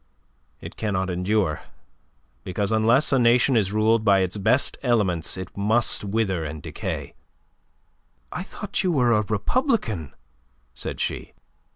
It cannot endure, because unless a nation is ruled by its best elements it must wither and decay." "I thought you were a republican," said she.